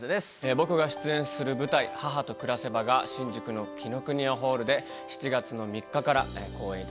僕が出演する舞台『母と暮せば』が新宿の紀伊國屋ホールで７月３日から公演いたします。